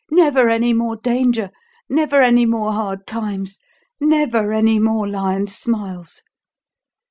Never any more danger, never any more hard times, never any more lion's smiles."